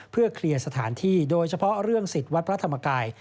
เพื่อเคลียร์สถานที่โดยเฉพาะเรื่องสิทธิ์วัดพระธรรมกาย